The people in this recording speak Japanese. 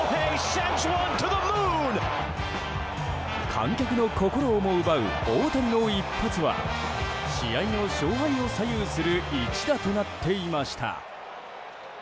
観客の心をも奪う大谷の一発は試合の勝敗を左右する一打となっていました。